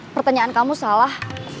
pertanyaan kamu salah